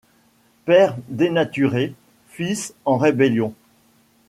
Pères dénaturés, fils en rébellion ;